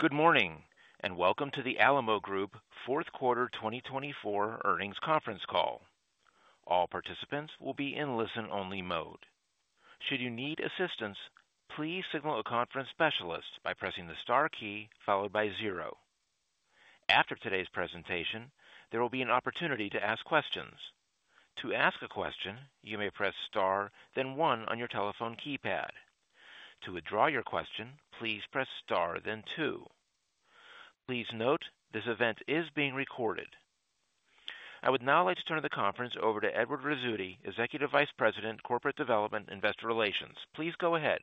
Good morning, and welcome to the Alamo Group Fourth Quarter 2024 earnings conference call. All participants will be in listen-only mode. Should you need assistance, please signal a conference specialist by pressing the star key followed by zero. After today's presentation, there will be an opportunity to ask questions. To ask a question, you may press star, then one on your telephone keypad. To withdraw your question, please press star, then two. Please note this event is being recorded. I would now like to turn the conference over to Edward Rizzuti, Executive Vice President, Corporate Development, Investor Relations. Please go ahead.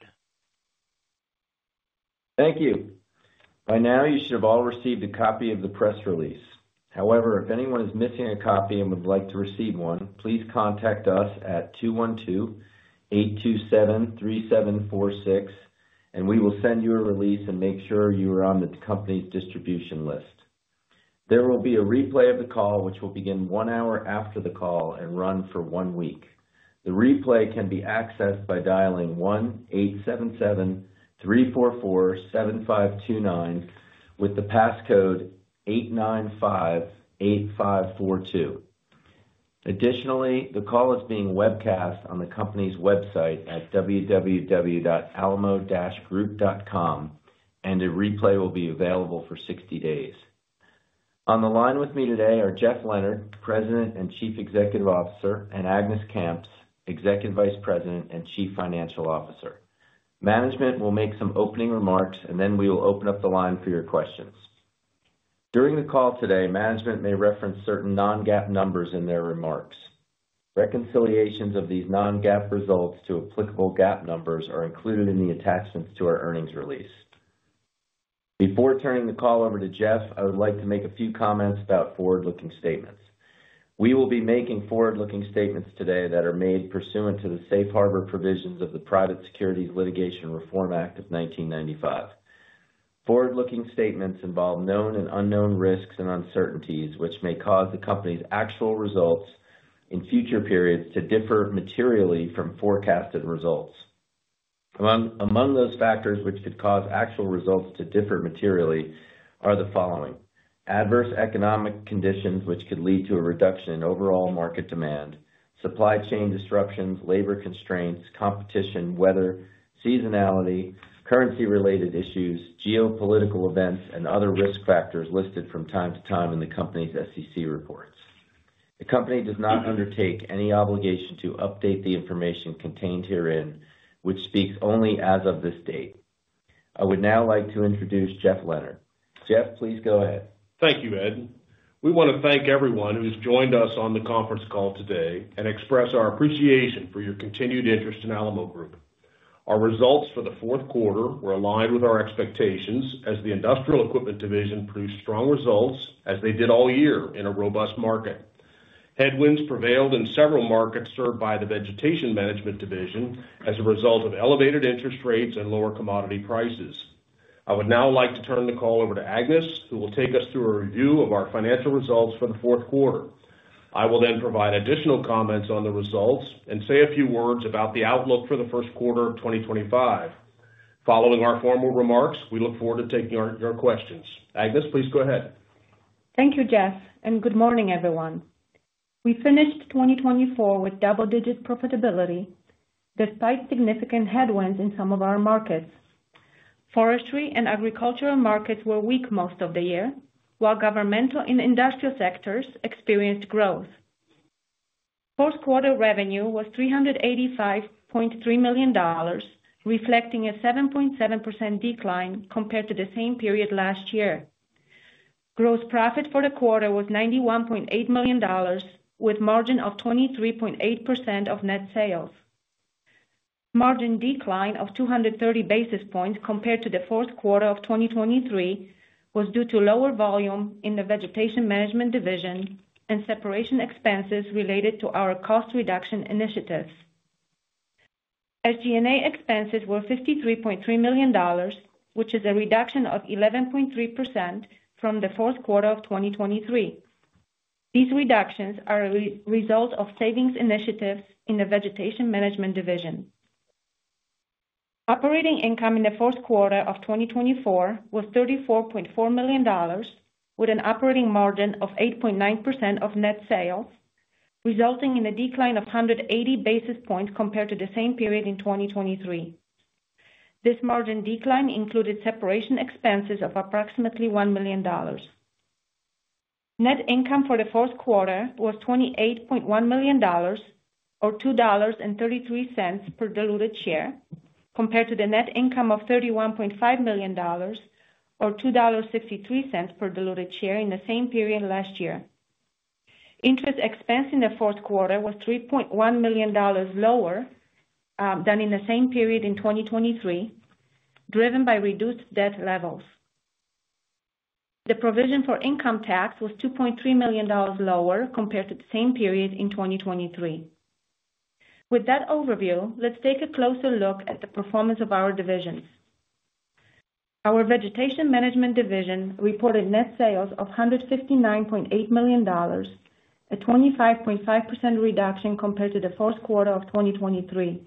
Thank you. By now, you should have all received a copy of the press release. However, if anyone is missing a copy and would like to receive one, please contact us at (212) 827-3746, and we will send you a release and make sure you are on the company's distribution list. There will be a replay of the call, which will begin one hour after the call and run for one week. The replay can be accessed by dialing 1 (877) 344-7529 with the passcode 8958542. Additionally, the call is being webcast on the company's website at www.alamo-group.com, and a replay will be available for 60 days. On the line with me today are Jeff Leonard, President and Chief Executive Officer, and Agnes Kamps, Executive Vice President and Chief Financial Officer. Management will make some opening remarks, and then we will open up the line for your questions. During the call today, management may reference certain non-GAAP numbers in their remarks. Reconciliations of these non-GAAP results to applicable GAAP numbers are included in the attachments to our earnings release. Before turning the call over to Jeff, I would like to make a few comments about forward-looking statements. We will be making forward-looking statements today that are made pursuant to the Safe Harbor provisions of the Private Securities Litigation Reform Act of 1995. Forward-looking statements involve known and unknown risks and uncertainties, which may cause the company's actual results in future periods to differ materially from forecasted results. Among those factors which could cause actual results to differ materially are the following: adverse economic conditions which could lead to a reduction in overall market demand, supply chain disruptions, labor constraints, competition, weather, seasonality, currency-related issues, geopolitical events, and other risk factors listed from time to time in the company's SEC reports. The company does not undertake any obligation to update the information contained herein, which speaks only as of this date. I would now like to introduce Jeff Leonard. Jeff, please go ahead. Thank you, Ed. We want to thank everyone who has joined us on the conference call today and express our appreciation for your continued interest in Alamo Group. Our results for the fourth quarter were aligned with our expectations as the Industrial Equipment Division produced strong results as they did all year in a robust market. Headwinds prevailed in several markets served by the Vegetation Management Division as a result of elevated interest rates and lower commodity prices. I would now like to turn the call over to Agnes, who will take us through a review of our financial results for the fourth quarter. I will then provide additional comments on the results and say a few words about the outlook for the first quarter of 2025. Following our formal remarks, we look forward to taking your questions. Agnes, please go ahead. Thank you, Jeff, and good morning, everyone. We finished 2024 with double-digit profitability despite significant headwinds in some of our markets. Forestry and agricultural markets were weak most of the year, while governmental and industrial sectors experienced growth. Fourth quarter revenue was $385.3 million, reflecting a 7.7% decline compared to the same period last year. Gross profit for the quarter was $91.8 million, with a margin of 23.8% of net sales. Margin decline of 230 basis points compared to the fourth quarter of 2023 was due to lower volume in the Vegetation Management Division and separation expenses related to our cost reduction initiatives. SG&A expenses were $53.3 million, which is a reduction of 11.3% from the fourth quarter of 2023. These reductions are a result of savings initiatives in the Vegetation Management Division. Operating income in the fourth quarter of 2024 was $34.4 million, with an operating margin of 8.9% of net sales, resulting in a decline of 180 basis points compared to the same period in 2023. This margin decline included separation expenses of approximately $1 million. Net income for the fourth quarter was $28.1 million, or $2.33 per diluted share, compared to the net income of $31.5 million, or $2.63 per diluted share in the same period last year. Interest expense in the fourth quarter was $3.1 million lower than in the same period in 2023, driven by reduced debt levels. The provision for income tax was $2.3 million lower compared to the same period in 2023. With that overview, let's take a closer look at the performance of our divisions. Our Vegetation Management Division reported net sales of $159.8 million, a 25.5% reduction compared to the fourth quarter of 2023.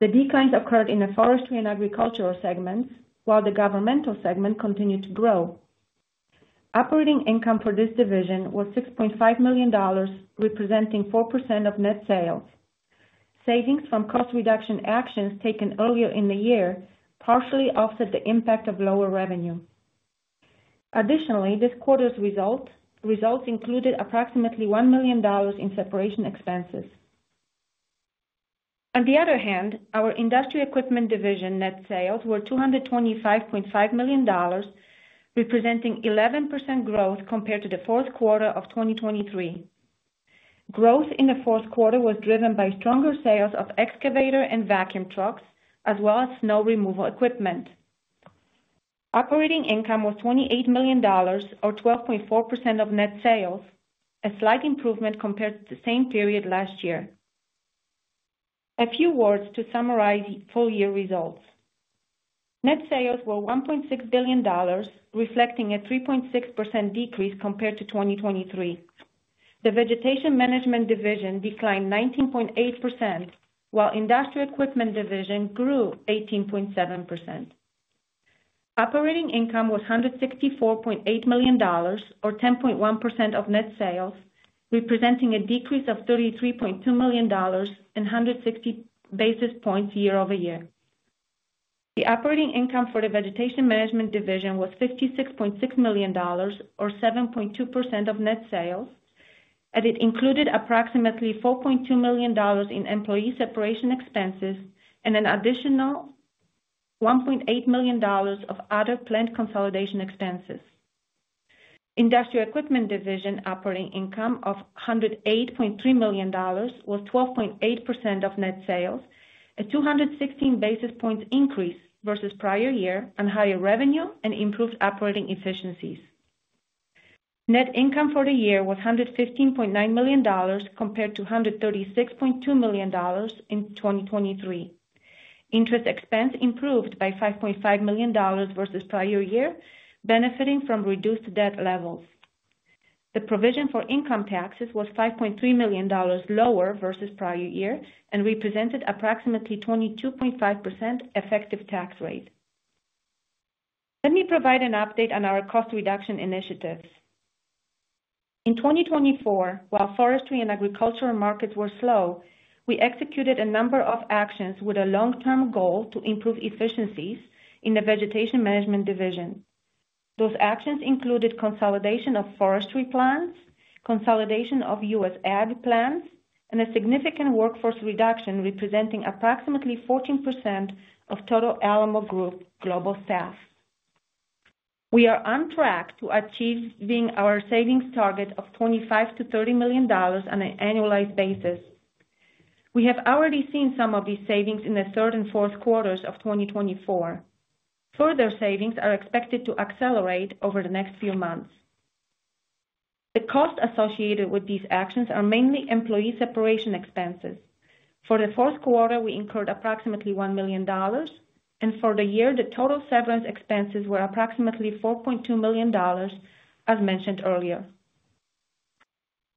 The declines occurred in the forestry and agricultural segments, while the governmental segment continued to grow. Operating income for this division was $6.5 million, representing 4% of net sales. Savings from cost reduction actions taken earlier in the year partially offset the impact of lower revenue. Additionally, this quarter's results included approximately $1 million in separation expenses. On the other hand, our Industry Equipment Division net sales were $225.5 million, representing 11% growth compared to the fourth quarter of 2023. Growth in the fourth quarter was driven by stronger sales of excavator and vacuum trucks, as well as snow removal equipment. Operating income was $28 million, or 12.4% of net sales, a slight improvement compared to the same period last year. A few words to summarize full-year results. Net sales were $1.6 billion, reflecting a 3.6% decrease compared to 2023. The Vegetation Management Division declined 19.8%, while Industry Equipment Division grew 18.7%. Operating income was $164.8 million, or 10.1% of net sales, representing a decrease of $33.2 million and 160 basis points year-over-year. The operating income for the Vegetation Management Division was $56.6 million, or 7.2% of net sales, and it included approximately $4.2 million in employee separation expenses and an additional $1.8 million of other planned consolidation expenses. Industry Equipment Division operating income of $108.3 million was 12.8% of net sales, a 216 basis points increase versus prior year, on higher revenue and improved operating efficiencies. Net income for the year was $115.9 million compared to $136.2 million in 2023. Interest expense improved by $5.5 million versus prior year, benefiting from reduced debt levels. The provision for income taxes was $5.3 million lower versus prior year and represented approximately 22.5% effective tax rate. Let me provide an update on our cost reduction initiatives. In 2024, while forestry and agricultural markets were slow, we executed a number of actions with a long-term goal to improve efficiencies in the Vegetation Management Division. Those actions included consolidation of forestry plants, consolidation of U.S. ag plants, and a significant workforce reduction representing approximately 14% of total Alamo Group global staff. We are on track to achieving our savings target of $25 million-$30 million on an annualized basis. We have already seen some of these savings in the third and fourth quarters of 2024. Further savings are expected to accelerate over the next few months. The costs associated with these actions are mainly employee separation expenses. For the fourth quarter, we incurred approximately $1 million, and for the year, the total severance expenses were approximately $4.2 million, as mentioned earlier.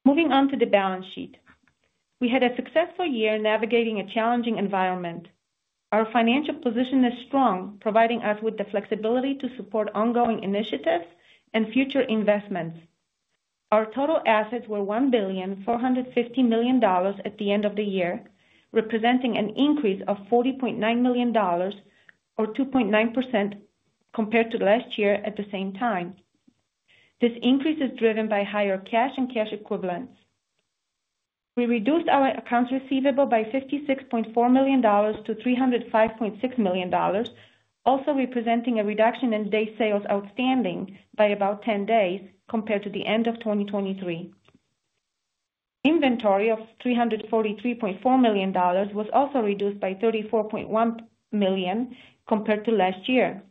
Moving on to the balance sheet, we had a successful year navigating a challenging environment. Our financial position is strong, providing us with the flexibility to support ongoing initiatives and future investments. Our total assets were $1,450 million at the end of the year, representing an increase of $40.9 million, or 2.9% compared to last year at the same time. This increase is driven by higher cash and cash equivalents. We reduced our accounts receivable by $56.4 million-$305.6 million, also representing a reduction in Days Sales Outstanding by about 10 days compared to the end of 2023. Inventory of $343.4 million was also reduced by $34.1 million compared to last year.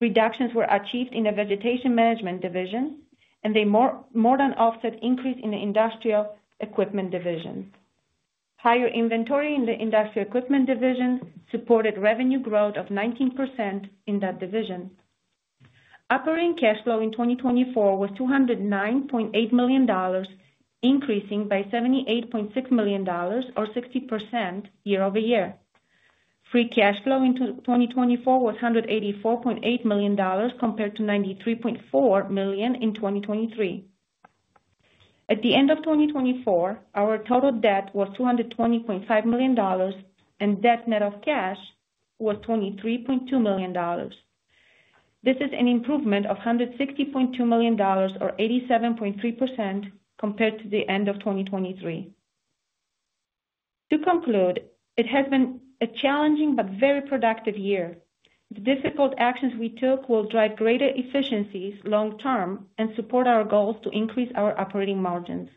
Reductions were achieved in the Vegetation Management Division, and they more than offset increase in the Industrial Equipment Division. Higher inventory in the Industrial Equipment Division supported revenue growth of 19% in that division. Operating cash flow in 2024 was $209.8 million, increasing by $78.6 million, or 60% year-over-year. Free cash flow in 2024 was $184.8 million compared to $93.4 million in 2023. At the end of 2024, our total debt was $220.5 million, and debt net of cash was $23.2 million. This is an improvement of $160.2 million, or 87.3% compared to the end of 2023. To conclude, it has been a challenging but very productive year. The difficult actions we took will drive greater efficiencies long-term and support our goals to increase our operating margins.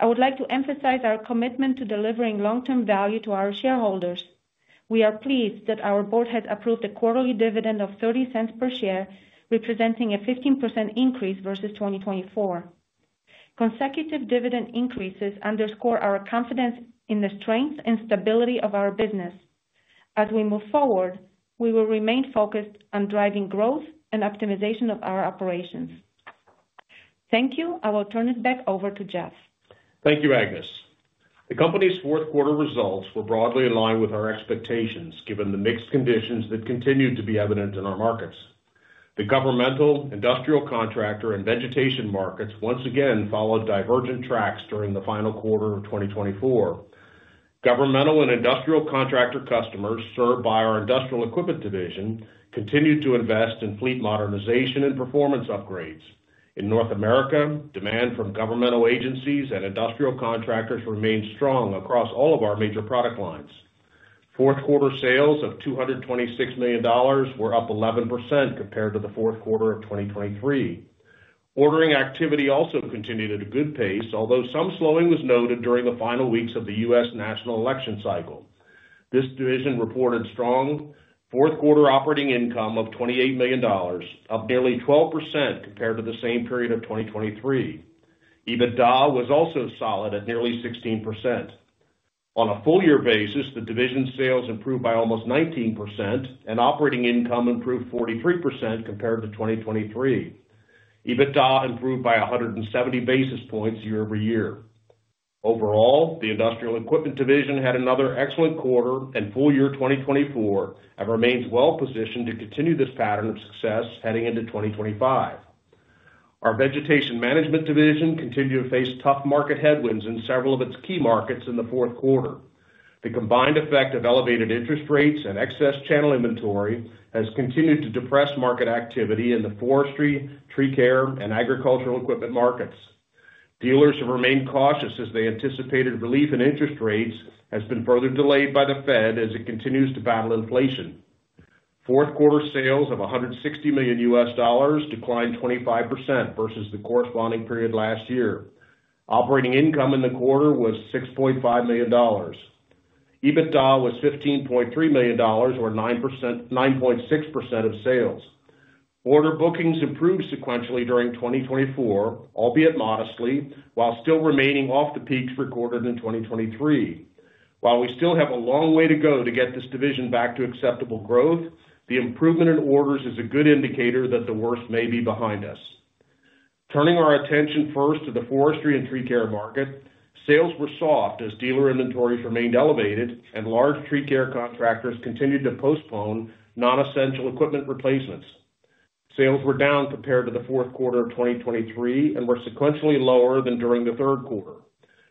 I would like to emphasize our commitment to delivering long-term value to our shareholders. We are pleased that our board has approved a quarterly dividend of $0.30 per share, representing a 15% increase versus 2024. Consecutive dividend increases underscore our confidence in the strength and stability of our business. As we move forward, we will remain focused on driving growth and optimization of our operations. Thank you. I will turn it back over to Jeff. Thank you, Agnes. The company's fourth quarter results were broadly aligned with our expectations, given the mixed conditions that continued to be evident in our markets. The governmental, industrial contractor, and vegetation markets once again followed divergent tracks during the final quarter of 2024. Governmental and industrial contractor customers, served by our Industrial Equipment Division, continued to invest in fleet modernization and performance upgrades. In North America, demand from governmental agencies and industrial contractors remained strong across all of our major product lines. Fourth quarter sales of $226 million were up 11% compared to the fourth quarter of 2023. Ordering activity also continued at a good pace, although some slowing was noted during the final weeks of the U.S. national election cycle. This division reported strong fourth quarter operating income of $28 million, up nearly 12% compared to the same period of 2023. EBITDA was also solid at nearly 16%. On a full-year basis, the division's sales improved by almost 19%, and operating income improved 43% compared to 2023. EBITDA improved by 170 basis points year-over-year. Overall, the Industrial Equipment Division had another excellent quarter, and full-year 2024 remains well-positioned to continue this pattern of success heading into 2025. Our Vegetation Management Division continued to face tough market headwinds in several of its key markets in the fourth quarter. The combined effect of elevated interest rates and excess channel inventory has continued to depress market activity in the forestry, tree care, and agricultural equipment markets. Dealers have remained cautious as they anticipated relief in interest rates has been further delayed by the Fed as it continues to battle inflation. Fourth quarter sales of $160 million declined 25% versus the corresponding period last year. Operating income in the quarter was $6.5 million. EBITDA was $15.3 million, or 9.6% of sales. Order bookings improved sequentially during 2024, albeit modestly, while still remaining off the peaks recorded in 2023. While we still have a long way to go to get this division back to acceptable growth, the improvement in orders is a good indicator that the worst may be behind us. Turning our attention first to the forestry and tree care market, sales were soft as dealer inventories remained elevated, and large tree care contractors continued to postpone non-essential equipment replacements. Sales were down compared to the fourth quarter of 2023 and were sequentially lower than during the third quarter.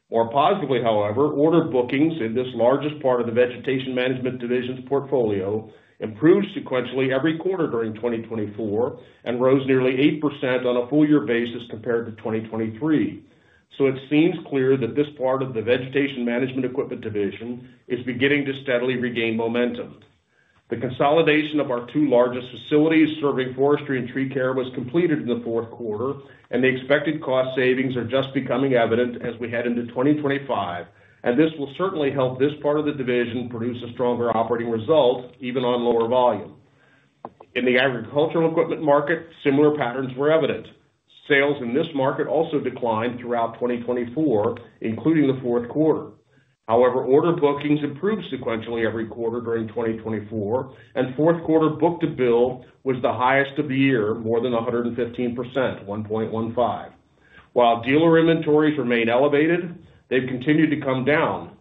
More positively, however, order bookings in this largest part of the Vegetation Management Division's portfolio improved sequentially every quarter during 2024 and rose nearly 8% on a full-year basis compared to 2023. It seems clear that this part of the Vegetation Management Equipment Division is beginning to steadily regain momentum. The consolidation of our two largest facilities serving forestry and tree care was completed in the fourth quarter, and the expected cost savings are just becoming evident as we head into 2025, and this will certainly help this part of the division produce a stronger operating result, even on lower volume. In the agricultural equipment market, similar patterns were evident. Sales in this market also declined throughout 2024, including the fourth quarter. However, order bookings improved sequentially every quarter during 2024, and fourth quarter book-to-bill was the highest of the year, more than 115%, 1.15. While dealer inventories remained elevated, they've continued to come down.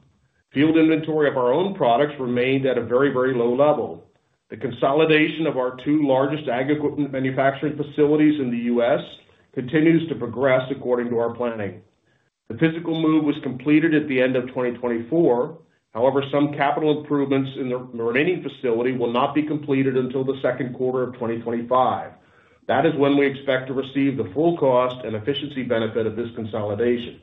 Field inventory of our own products remained at a very, very low level. The consolidation of our two largest ag equipment manufacturing facilities in the U.S. continues to progress according to our planning. The physical move was completed at the end of 2024. However, some capital improvements in the remaining facility will not be completed until the second quarter of 2025. That is when we expect to receive the full cost and efficiency benefit of this consolidation.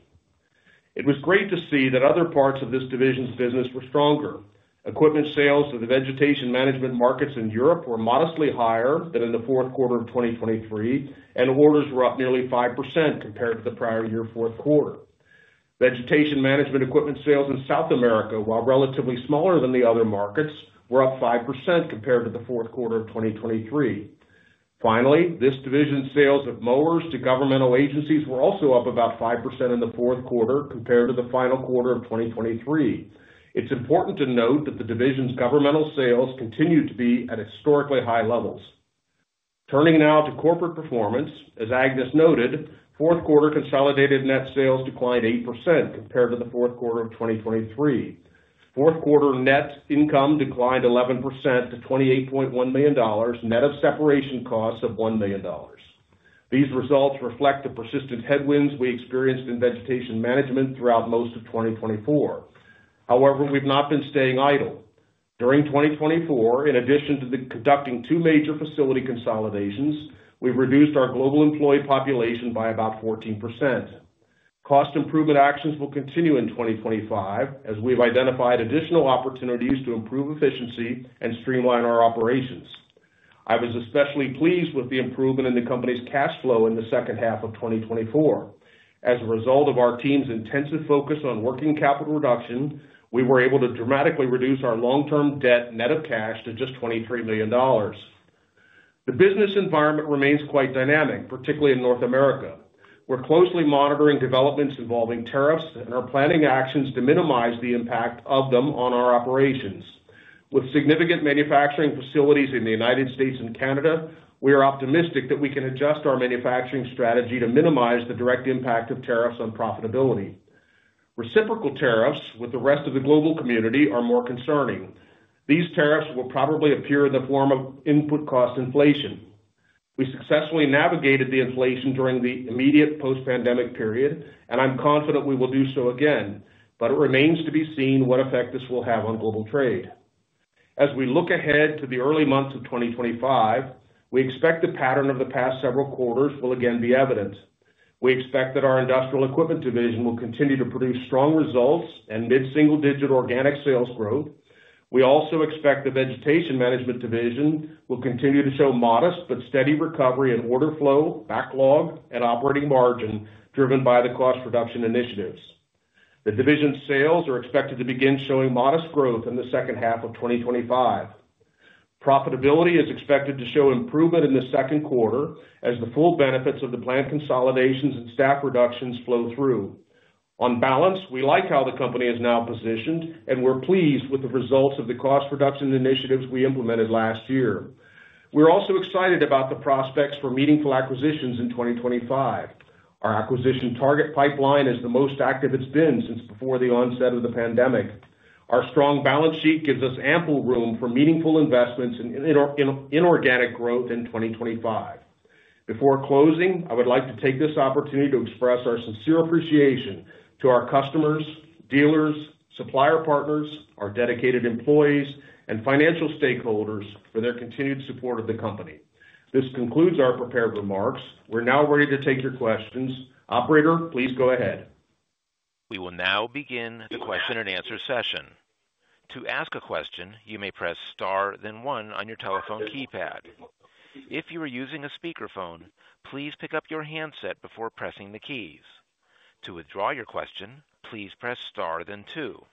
It was great to see that other parts of this division's business were stronger. Equipment sales to the Vegetation Management markets in Europe were modestly higher than in the fourth quarter of 2023, and orders were up nearly 5% compared to the prior year fourth quarter. Vegetation Management equipment sales in South America, while relatively smaller than the other markets, were up 5% compared to the fourth quarter of 2023. Finally, this division's sales of mowers to governmental agencies were also up about 5% in the fourth quarter compared to the final quarter of 2023. It's important to note that the division's governmental sales continue to be at historically high levels. Turning now to corporate performance, as Agnes noted, fourth quarter consolidated net sales declined 8% compared to the fourth quarter of 2023. Fourth quarter net income declined 11% to $28.1 million, net of separation costs of $1 million. These results reflect the persistent headwinds we experienced in Vegetation Management throughout most of 2024. However, we've not been staying idle. During 2024, in addition to conducting two major facility consolidations, we've reduced our global employee population by about 14%. Cost improvement actions will continue in 2025, as we've identified additional opportunities to improve efficiency and streamline our operations. I was especially pleased with the improvement in the company's cash flow in the second half of 2024. As a result of our team's intensive focus on working capital reduction, we were able to dramatically reduce our long-term debt net of cash to just $23 million. The business environment remains quite dynamic, particularly in North America. We're closely monitoring developments involving tariffs and are planning actions to minimize the impact of them on our operations. With significant manufacturing facilities in the United States and Canada, we are optimistic that we can adjust our manufacturing strategy to minimize the direct impact of tariffs on profitability. Reciprocal tariffs with the rest of the global community are more concerning. These tariffs will probably appear in the form of input cost inflation. We successfully navigated the inflation during the immediate post-pandemic period, and I'm confident we will do so again, but it remains to be seen what effect this will have on global trade. As we look ahead to the early months of 2025, we expect the pattern of the past several quarters will again be evident. We expect that our Industrial Equipment Division will continue to produce strong results and mid-single-digit organic sales growth. We also expect the Vegetation Management Division will continue to show modest but steady recovery in order flow, backlog, and operating margin driven by the cost reduction initiatives. The division's sales are expected to begin showing modest growth in the second half of 2025. Profitability is expected to show improvement in the second quarter as the full benefits of the planned consolidations and staff reductions flow through. On balance, we like how the company is now positioned, and we're pleased with the results of the cost reduction initiatives we implemented last year. We're also excited about the prospects for meaningful acquisitions in 2025. Our acquisition target pipeline is the most active it's been since before the onset of the pandemic. Our strong balance sheet gives us ample room for meaningful investments in organic growth in 2025. Before closing, I would like to take this opportunity to express our sincere appreciation to our customers, dealers, supplier partners, our dedicated employees, and financial stakeholders for their continued support of the company. This concludes our prepared remarks. We're now ready to take your questions. Operator, please go ahead. We will now begin the question and answer session. To ask a question, you may press star, then one on your telephone keypad. If you are using a speakerphone, please pick up your handset before pressing the keys. To withdraw your question, please press star, then two.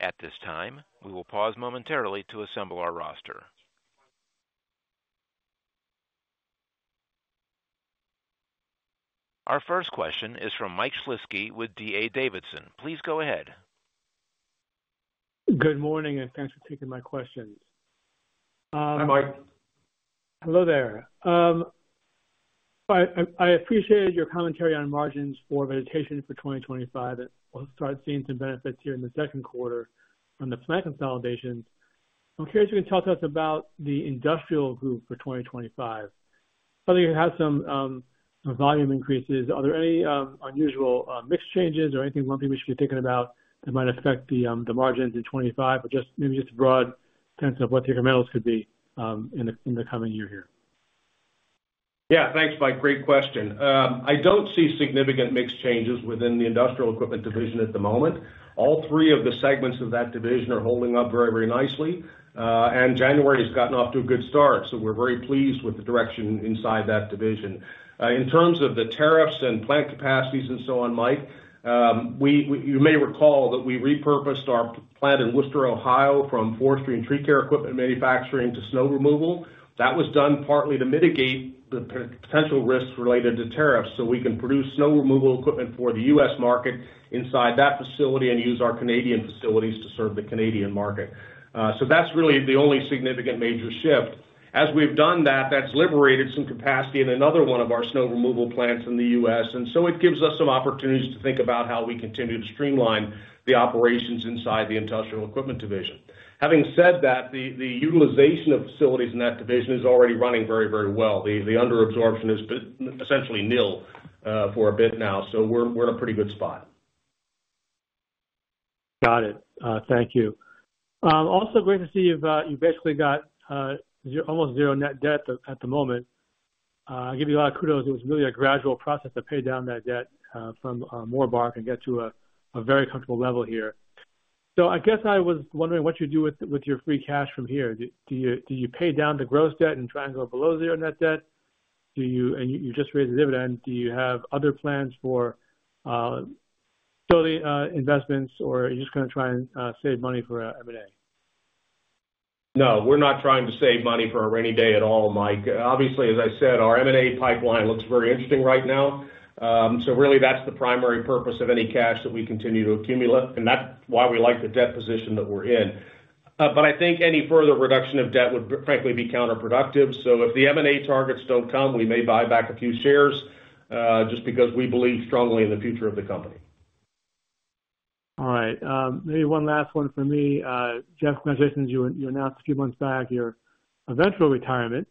At this time, we will pause momentarily to assemble our roster. Our first question is from Mike Shlisky with D.A. Davidson. Please go ahead. Good morning, and thanks for taking my questions. Hi, Mike. Hello there. I appreciated your commentary on margins for vegetation for 2025. We'll start seeing some benefits here in the second quarter from the plant consolidations. I'm curious if you can tell us about the Industrial Group for 2025. I think you have some volume increases. Are there any unusual mix changes or anything one thing we should be thinking about that might affect the margins in 2025, or just maybe a broad sense of what the increments could be in the coming year here? Yeah, thanks, Mike. Great question. I don't see significant mix changes within the Industrial Equipment Division at the moment. All three of the segments of that division are holding up very, very nicely, and January has gotten off to a good start. So we're very pleased with the direction inside that division. In terms of the tariffs and plant capacities and so on, Mike, you may recall that we repurposed our plant in Wooster, Ohio, from forestry and tree care equipment manufacturing to snow removal. That was done partly to mitigate the potential risks related to tariffs so we can produce snow removal equipment for the U.S. market inside that facility and use our Canadian facilities to serve the Canadian market. So that's really the only significant major shift. As we've done that, that's liberated some capacity in another one of our snow removal plants in the U.S. And so it gives us some opportunities to think about how we continue to streamline the operations inside the Industrial Equipment Division. Having said that, the utilization of facilities in that division is already running very, very well. The underabsorption is essentially nil for a bit now. So we're in a pretty good spot. Got it. Thank you. Also, great to see you've basically got almost zero net debt at the moment. I'll give you a lot of kudos. It was really a gradual process to pay down that debt from $200 million back and get to a very comfortable level here. So I guess I was wondering what you do with your free cash from here. Do you pay down the gross debt and try and go below zero net debt? And you just raised the dividend. Do you have other plans for building investments, or are you just going to try and save money for M&A? No, we're not trying to save money for a rainy day at all, Mike. Obviously, as I said, our M&A pipeline looks very interesting right now. So really, that's the primary purpose of any cash that we continue to accumulate, and that's why we like the debt position that we're in. But I think any further reduction of debt would frankly be counterproductive. So if the M&A targets don't come, we may buy back a few shares just because we believe strongly in the future of the company. All right. Maybe one last one for me. Jeff Leonard, you announced a few months back your eventual retirement,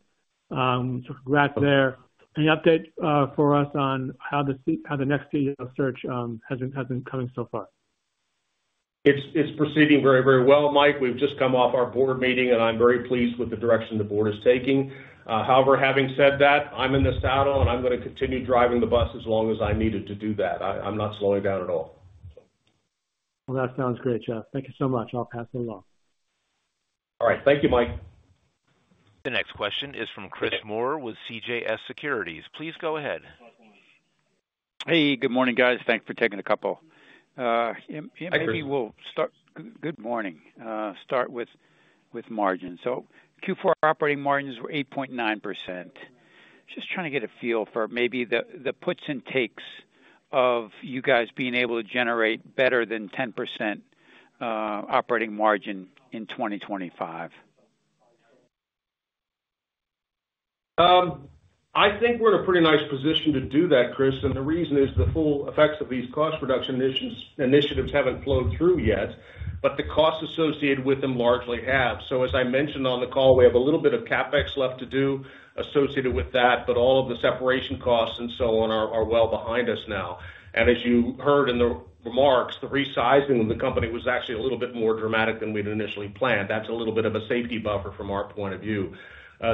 so congrats there. Any update for us on how the next search has been coming so far? It's proceeding very, very well, Mike. We've just come off our board meeting, and I'm very pleased with the direction the board is taking. However, having said that, I'm in this saddle, and I'm going to continue driving the bus as long as I needed to do that. I'm not slowing down at all. Well, that sounds great, Jeff. Thank you so much. I'll pass those off. All right. Thank you, Mike. The next question is from Chris Moore with CJS Securities. Please go ahead. Hey, good morning, guys. Thanks for taking a couple. I think we'll start with margins. So Q4 operating margins were 8.9%. Just trying to get a feel for maybe the puts and takes of you guys being able to generate better than 10% operating margin in 2025. I think we're in a pretty nice position to do that, Chris. And the reason is the full effects of these cost reduction initiatives haven't flowed through yet, but the costs associated with them largely have. So as I mentioned on the call, we have a little bit of CapEx left to do associated with that, but all of the separation costs and so on are well behind us now. And as you heard in the remarks, the resizing of the company was actually a little bit more dramatic than we'd initially planned. That's a little bit of a safety buffer from our point of view.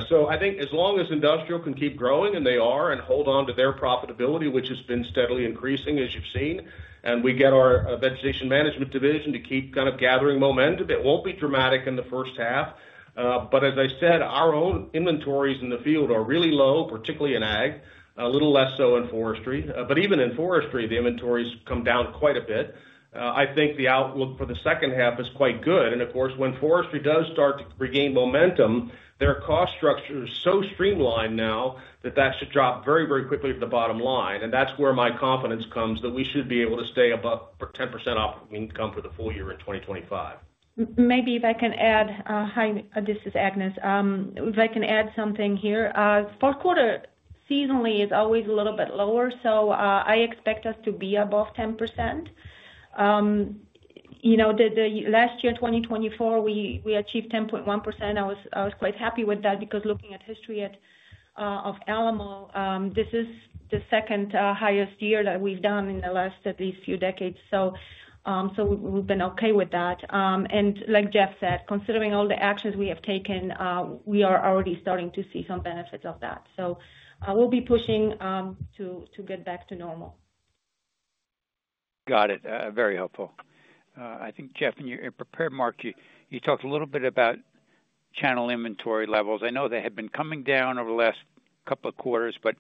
So I think as long as Industrial can keep growing, and they are, and hold on to their profitability, which has been steadily increasing, as you've seen, and we get our Vegetation Management Division to keep kind of gathering momentum, it won't be dramatic in the first half. But as I said, our own inventories in the field are really low, particularly in ag, a little less so in forestry. But even in forestry, the inventories come down quite a bit. I think the outlook for the second half is quite good. And of course, when forestry does start to regain momentum, their cost structure is so streamlined now that that should drop very, very quickly to the bottom line. And that's where my confidence comes that we should be able to stay above 10% operating income for the full year in 2025. Maybe if I can add, this is Agnes. If I can add something here. Fourth quarter seasonally is always a little bit lower, so I expect us to be above 10%. Last year, 2024, we achieved 10.1%. I was quite happy with that because looking at history of Alamo, this is the second highest year that we've done in the last at least few decades. So we've been okay with that. And like Jeff said, considering all the actions we have taken, we are already starting to see some benefits of that. So we'll be pushing to get back to normal. Got it. Very helpful. I think, Jeff, in your prepared remarks, you talked a little bit about channel inventory levels. I know they had been coming down over the last couple of quarters, but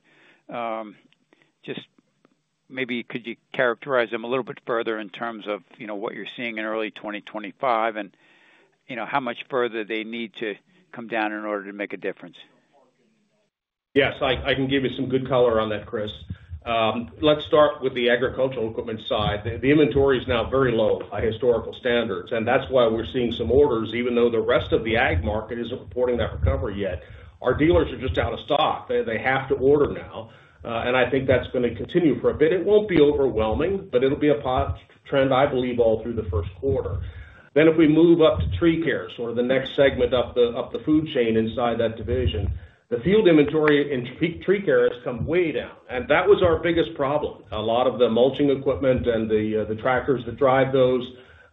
just maybe could you characterize them a little bit further in terms of what you're seeing in early 2025 and how much further they need to come down in order to make a difference? Yes, I can give you some good color on that, Chris. Let's start with the agricultural equipment side. The inventory is now very low by historical standards, and that's why we're seeing some orders, even though the rest of the ag market isn't reporting that recovery yet. Our dealers are just out of stock. They have to order now. And I think that's going to continue for a bit. It won't be overwhelming, but it'll be a pop trend, I believe, all through the first quarter. Then if we move up to tree care, sort of the next segment up the food chain inside that division, the field inventory in tree care has come way down. And that was our biggest problem. A lot of the mulching equipment and the tractors that drive those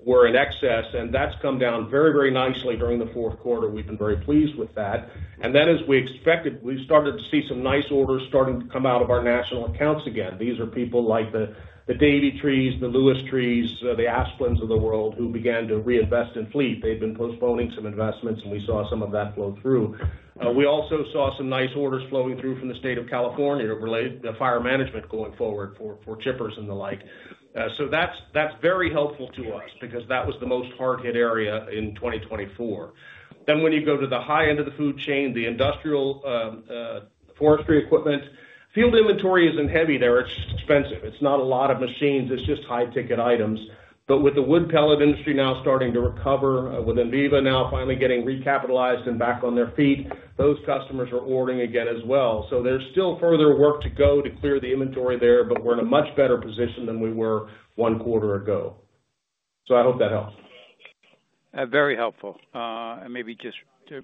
were in excess, and that's come down very, very nicely during the fourth quarter. We've been very pleased with that. And then, as we expected, we started to see some nice orders starting to come out of our national accounts again. These are people like the Davey trees, the Lewis trees, the Asplundh of the world who began to reinvest in fleet. They've been postponing some investments, and we saw some of that flow through. We also saw some nice orders flowing through from the state of California related to fire management going forward for chippers and the like. So that's very helpful to us because that was the most hard-hit area in 2024. Then when you go to the high end of the food chain, the industrial forestry equipment, field inventory isn't heavy there. It's expensive. It's not a lot of machines. It's just high-ticket items. But with the wood pellet industry now starting to recover with Enviva now finally getting recapitalized and back on their feet, those customers are ordering again as well. So there's still further work to go to clear the inventory there, but we're in a much better position than we were one quarter ago. So I hope that helps. Very helpful, and maybe just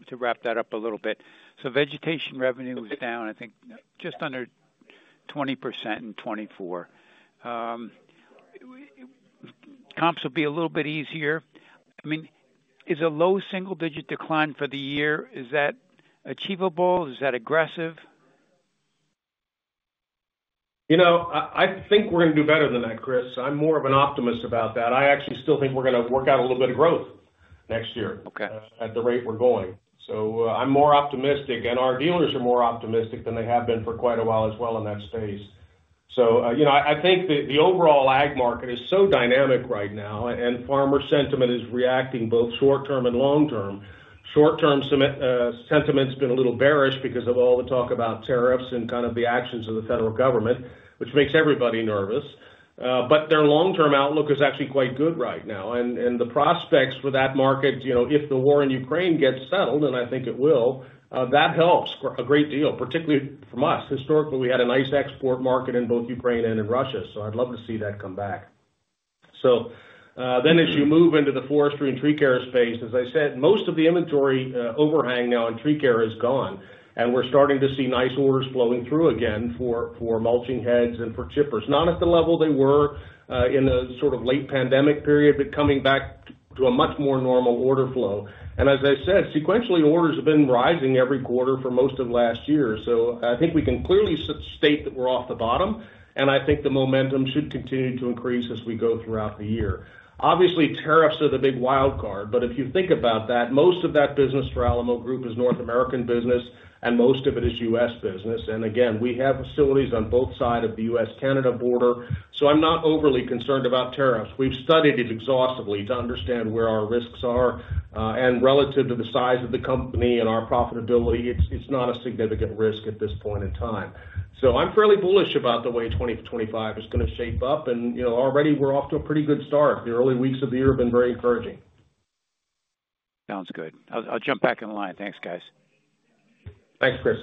to wrap that up a little bit, so vegetation revenue was down, I think, just under 20% in 2024. Comps will be a little bit easier. I mean, is a low single-digit decline for the year achievable? Is that aggressive? You know, I think we're going to do better than that, Chris. I'm more of an optimist about that. I actually still think we're going to work out a little bit of growth next year at the rate we're going, so I'm more optimistic, and our dealers are more optimistic than they have been for quite a while as well in that space, so I think the overall ag market is so dynamic right now, and farmer sentiment is reacting both short-term and long-term. Short-term sentiment has been a little bearish because of all the talk about tariffs and kind of the actions of the federal government, which makes everybody nervous. But their long-term outlook is actually quite good right now, and the prospects for that market, if the war in Ukraine gets settled, and I think it will, that helps a great deal, particularly from us. Historically, we had a nice export market in both Ukraine and in Russia, so I'd love to see that come back. So then as you move into the forestry and tree care space, as I said, most of the inventory overhang now in tree care is gone, and we're starting to see nice orders flowing through again for mulching heads and for chippers. Not at the level they were in the sort of late pandemic period, but coming back to a much more normal order flow, and as I said, sequentially, orders have been rising every quarter for most of last year, so I think we can clearly state that we're off the bottom, and I think the momentum should continue to increase as we go throughout the year. Obviously, tariffs are the big wild card, but if you think about that, most of that business for Alamo Group is North American business, and most of it is U.S. business. And again, we have facilities on both sides of the U.S.-Canada border, so I'm not overly concerned about tariffs. We've studied it exhaustively to understand where our risks are. And relative to the size of the company and our profitability, it's not a significant risk at this point in time. So I'm fairly bullish about the way 2025 is going to shape up. And already, we're off to a pretty good start. The early weeks of the year have been very encouraging. Sounds good. I'll jump back in line. Thanks, guys. Thanks, Chris.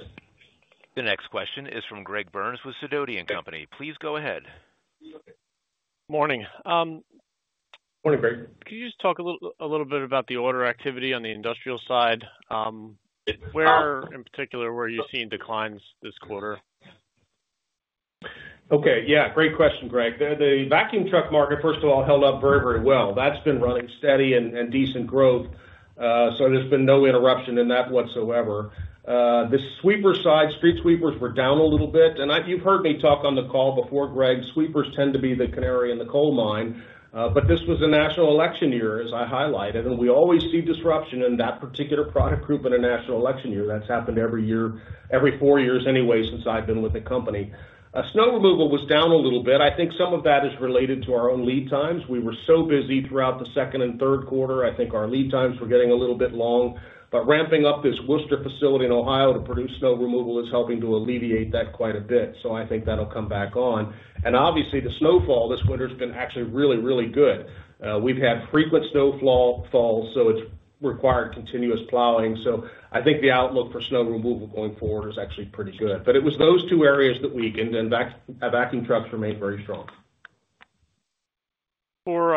The next question is from Greg Burns with Sidoti & Company. Please go ahead. Morning. Morning, Greg. Could you just talk a little bit about the order activity on the industrial side? Where in particular were you seeing declines this quarter? Okay. Yeah. Great question, Greg. The vacuum truck market, first of all, held up very, very well. That's been running steady and decent growth. So there's been no interruption in that whatsoever. The sweeper side, street sweepers were down a little bit. And you've heard me talk on the call before, Greg, sweepers tend to be the canary in the coal mine. But this was a national election year, as I highlighted. And we always see disruption in that particular product group in a national election year. That's happened every year, every four years anyway, since I've been with the company. Snow removal was down a little bit. I think some of that is related to our own lead times. We were so busy throughout the second and third quarter. I think our lead times were getting a little bit long. But ramping up this Wooster facility in Ohio to produce snow removal is helping to alleviate that quite a bit. So I think that'll come back on. And obviously, the snowfall this winter has been actually really, really good. We've had frequent snowfall, so it's required continuous plowing. So I think the outlook for snow removal going forward is actually pretty good. But it was those two areas that weakened, and vacuum trucks remained very strong. For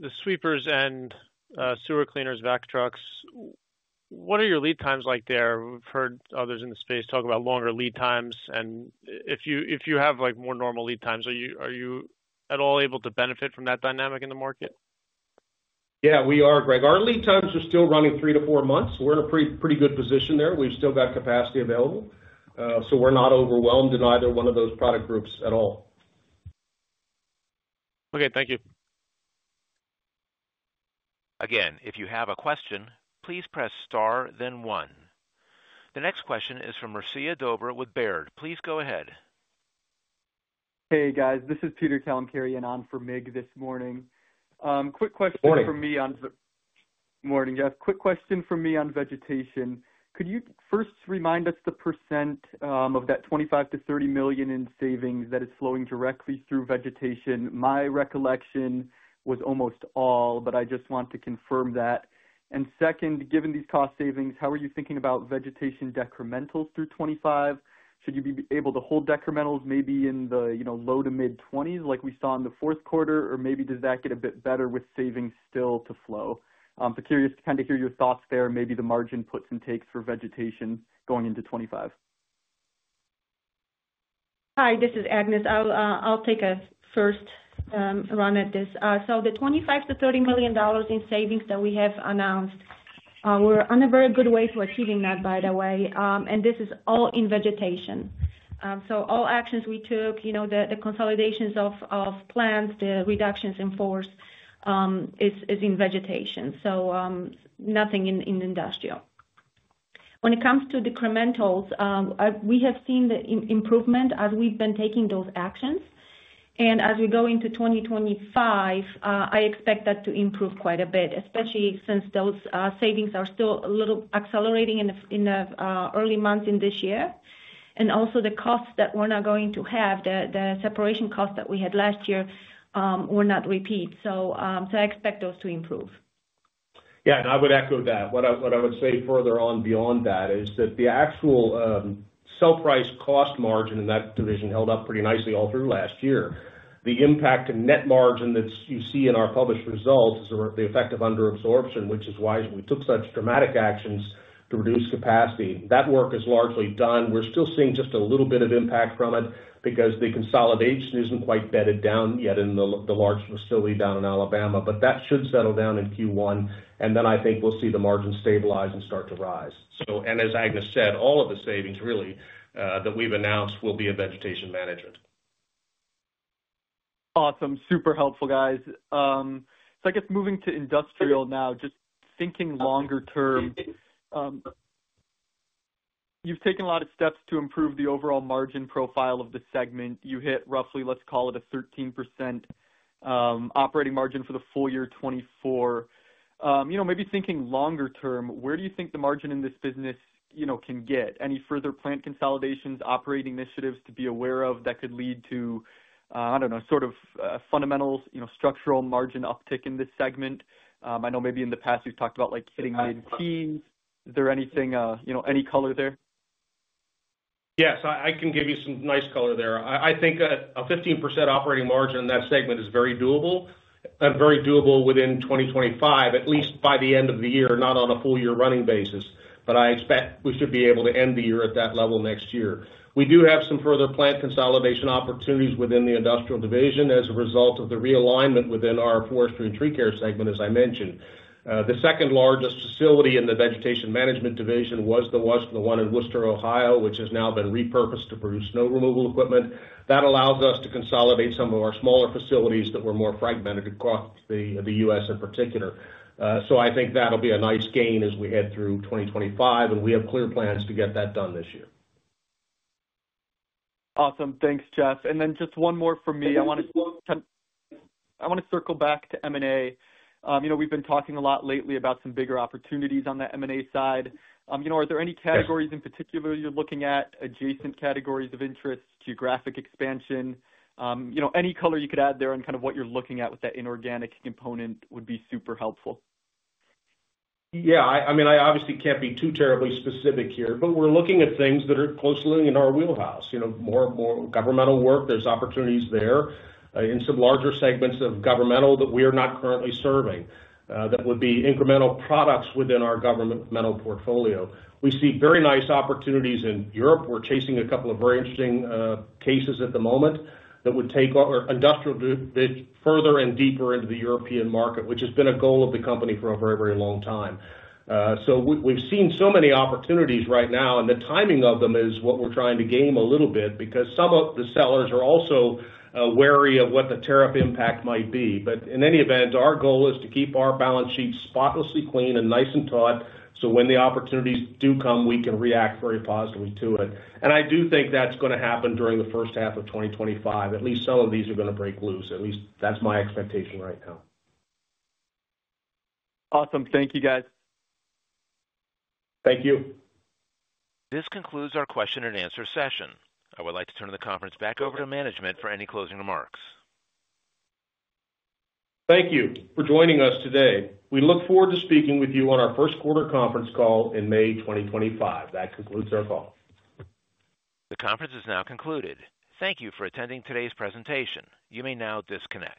the sweepers and sewer cleaners, vac trucks, what are your lead times like there? We've heard others in the space talk about longer lead times. And if you have more normal lead times, are you at all able to benefit from that dynamic in the market? Yeah, we are, Greg. Our lead times are still running three to four months. We're in a pretty good position there. We've still got capacity available. So we're not overwhelmed in either one of those product groups at all. Okay. Thank you. Again, if you have a question, please press star, then one. The next question is from Mircea Dobre with Baird. Please go ahead. Hey, guys. This is Peter Kalemkerian on for Mig this morning. Quick question for me on. Morning. Morning, Jeff. Quick question for me on vegetation. Could you first remind us the % of that $25 million-$30 million in savings that is flowing directly through vegetation? My recollection was almost all, but I just want to confirm that. And second, given these cost savings, how are you thinking about vegetation decrementals through 2025? Should you be able to hold decrementals maybe in the low to mid-20s% like we saw in the fourth quarter, or maybe does that get a bit better with savings still to flow? So curious to kind of hear your thoughts there, maybe the margin puts and takes for vegetation going into 2025. Hi, this is Agnes. I'll take a first run at this. So the $25 million-$30 million in savings that we have announced, we're on a very good way to achieving that, by the way. And this is all in vegetation. So all actions we took, the consolidations of plants, the reductions in force, is in vegetation. So nothing in industrial. When it comes to decrementals, we have seen the improvement as we've been taking those actions. And as we go into 2025, I expect that to improve quite a bit, especially since those savings are still a little accelerating in the early months in this year. And also the costs that we're not going to have, the separation costs that we had last year, will not repeat. So I expect those to improve. Yeah. And I would echo that. What I would say further on beyond that is that the actual sell price cost margin in that division held up pretty nicely all through last year. The impact of net margin that you see in our published results is the effect of underabsorption, which is why we took such dramatic actions to reduce capacity. That work is largely done. We're still seeing just a little bit of impact from it because the consolidation isn't quite bedded down yet in the large facility down in Alabama. But that should settle down in Q1. And then I think we'll see the margin stabilize and start to rise. And as Agnes said, all of the savings really that we've announced will be in vegetation management. Awesome. Super helpful, guys. So I guess moving to industrial now, just thinking longer term, you've taken a lot of steps to improve the overall margin profile of the segment. You hit roughly, let's call it a 13% operating margin for the full year 2024. Maybe thinking longer term, where do you think the margin in this business can get? Any further plant consolidations, operating initiatives to be aware of that could lead to, I don't know, sort of fundamental structural margin uptick in this segment? I know maybe in the past you've talked about hitting mid-teens. Is there anything, any color there? Yes. I can give you some nice color there. I think a 15% operating margin in that segment is very doable and very doable within 2025, at least by the end of the year, not on a full year running basis, but I expect we should be able to end the year at that level next year. We do have some further plant consolidation opportunities within the industrial division as a result of the realignment within our forestry and tree care segment, as I mentioned. The second largest facility in the vegetation management division was the one in Wooster, Ohio, which has now been repurposed to produce snow removal equipment. That allows us to consolidate some of our smaller facilities that were more fragmented across the U.S. in particular. So I think that'll be a nice gain as we head through 2025, and we have clear plans to get that done this year. Awesome. Thanks, Jeff. And then just one more for me. I want to circle back to M&A. We've been talking a lot lately about some bigger opportunities on the M&A side. Are there any categories in particular you're looking at, adjacent categories of interest, geographic expansion? Any color you could add there and kind of what you're looking at with that inorganic component would be super helpful. Yeah. I mean, I obviously can't be too terribly specific here, but we're looking at things that are closely in our wheelhouse. More governmental work, there's opportunities there in some larger segments of governmental that we are not currently serving that would be incremental products within our governmental portfolio. We see very nice opportunities in Europe. We're chasing a couple of very interesting cases at the moment that would take industrial further and deeper into the European market, which has been a goal of the company for a very, very long time, so we've seen so many opportunities right now, and the timing of them is what we're trying to game a little bit because some of the sellers are also wary of what the tariff impact might be. But in any event, our goal is to keep our balance sheet spotlessly clean and nice and taut so when the opportunities do come, we can react very positively to it. And I do think that's going to happen during the first half of 2025. At least some of these are going to break loose. At least that's my expectation right now. Awesome. Thank you, guys. Thank you. This concludes our question and answer session. I would like to turn the conference back over to management for any closing remarks. Thank you for joining us today. We look forward to speaking with you on our first quarter conference call in May 2025. That concludes our call. The conference is now concluded. Thank you for attending today's presentation. You may now disconnect.